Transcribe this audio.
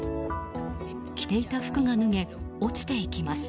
着ていた服が脱げ落ちていきます。